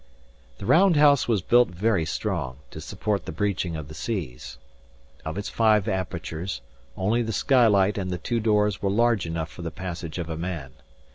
The round house was built very strong, to support the breaching of the seas. Of its five apertures, only the skylight and the two doors were large enough for the passage of a man.